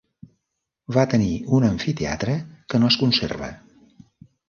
Va tenir un amfiteatre que no es conserva.